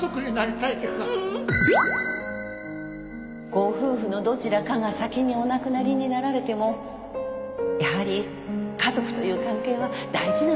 ご夫婦のどちらかが先にお亡くなりになられてもやはり家族という関係は大事なのかもしれません。